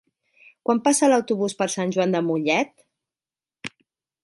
Quan passa l'autobús per Sant Joan de Mollet?